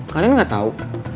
kalian gak tau